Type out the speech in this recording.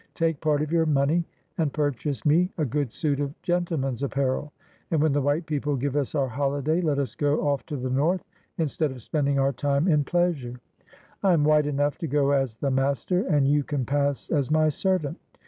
"Take part of your money and pur chase me a good suit of gentlemen's apparel, and when the white people give us our holiday, let us go off to the North, instead of spending our time in AN AMERICAN BONDMAN. 77 pleasure. I am white enough to go as the master, and you can pass as my servant."